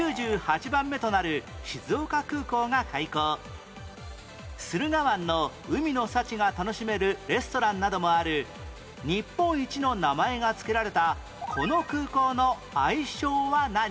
１４年前駿河湾の海の幸が楽しめるレストランなどもある日本一の名前が付けられたこの空港の愛称は何？